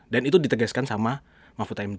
dan itu ditegaskan sama mahfud md